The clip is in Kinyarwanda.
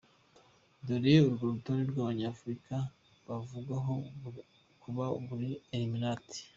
Dore urwo rutonde rw’abanyafurika bavugwaho kuba muri Illuminati:.